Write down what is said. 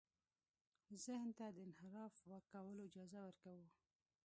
ذهن ته د انحراف کولو اجازه ورکوو.